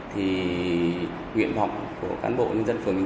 thì nguyện vọng của cán bộ nhân dân phường